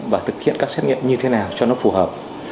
và thực hiện các xét nghiệm như thế nào cho nó phù hợp